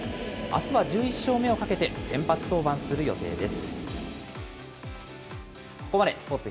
あすは１１勝目をかけて先発登板する予定です。